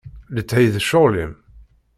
Letthi d ccɣel-im.